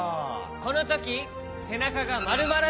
このときせなかがまるまら